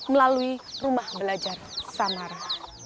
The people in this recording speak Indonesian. melalui rumah belajar samara